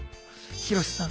ヒロシさん。